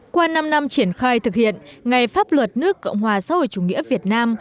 qua năm năm triển khai thực hiện ngày pháp luật nước cộng hòa xã hội chủ nghĩa việt nam